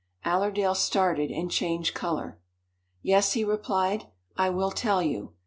Allerdale started and changed color. "Yes," he replied, "I will tell you.